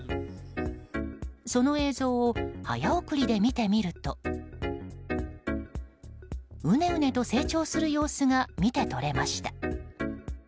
その映像を早送りで見てみるとうねうねと成長する様子が見て取れました。